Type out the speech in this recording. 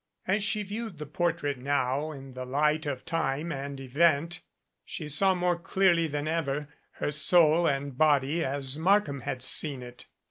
As she viewed the portrait now in the light of time and event, she saw, more clearly than ever, her soul and body as Markham had seen it.